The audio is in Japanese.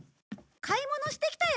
買い物してきたよ。